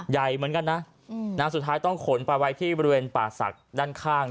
ใหญ่เหมือนกันนะสุดท้ายต้องขนปลาไว้ที่บริเวณป่าศักดิ์ด้านข้าง